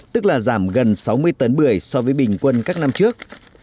tức là giảm gần sáu mươi tấn bưởi so với bình quân các năm trước